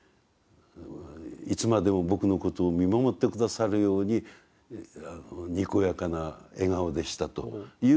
いつまでも僕のことを見守って下さるようににこやかな笑顔でした」という作文を頂いたんです。